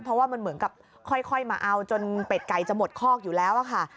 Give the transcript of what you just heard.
เพราะว่ามันเหมือนกับค่อยมาเอาจนเป็ดไก่จะหมดคอกอยู่แล้วค่ะ